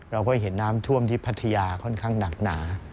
เราก็เห็นน้ำท่วมที่พัทยาค่อนข้างหนักหนา